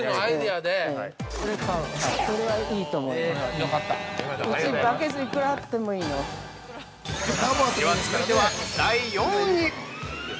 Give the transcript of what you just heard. ◆では、続いては第４位！